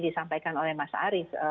disampaikan oleh mas arief